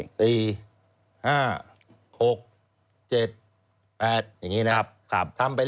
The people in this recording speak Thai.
อย่างนี้นะครับ